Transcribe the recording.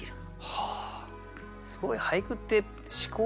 はあ。